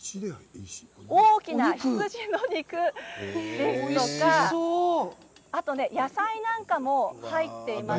大きな羊のお肉ですとか野菜なんかも入っています。